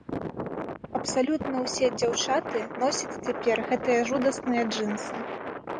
Абсалютна ўсе дзяўчаты носяць цяпер гэтыя жудасныя джынсы.